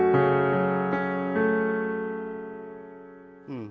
うん。